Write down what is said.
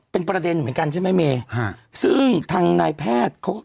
เป็นประเด็นเหมือนกันใช่ไหมเมฮะซึ่งทางนายแพทย์เขาก็